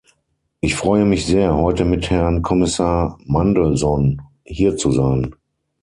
Ich freue mich sehr, heute mit Herrn Kommissar Mandelson hier zu sein.